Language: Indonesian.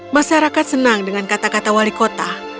masyarakat senang dengan kata kata wali kota